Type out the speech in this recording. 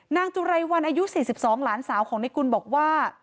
นางจุไรวันอายุ๔๒หลานสาวของนายกุลบอกว่า